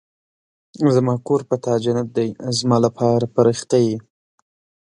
زما کور په تا جنت دی زما لپاره فرښته يې